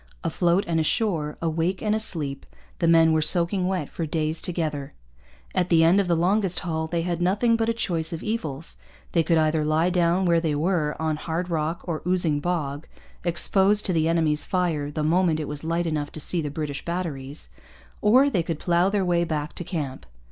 Afloat and ashore, awake and asleep, the men were soaking wet for days together. At the end of the longest haul they had nothing but a choice of evils. They could either lie down where they were, on hard rock or oozing bog, exposed to the enemy's fire the moment it was light enough to see the British batteries, or they could plough their way back to camp.